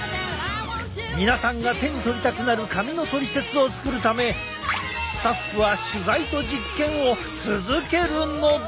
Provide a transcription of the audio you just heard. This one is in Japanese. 皆さんが手に取りたくなる髪のトリセツを作るためスタッフは取材と実験を続けるのだ！